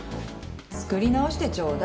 作り直してちょうだい。